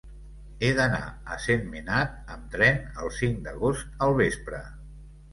He d'anar a Sentmenat amb tren el cinc d'agost al vespre.